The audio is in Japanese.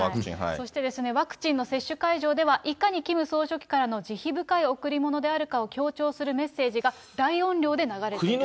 そしてワクチンの接種会場では、いかにキム総書記からの慈悲深い贈り物であるかを強調するメッセージが、大音量で流れている。